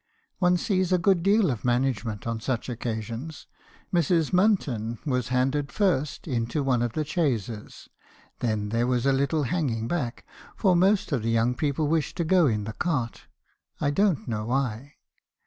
One sees a good deal of management on such occasions. Mrs. Munton was handed first into one of the chaises; then there was a little hanging back, for most of the young people wished to go in the cart, — I don't know why.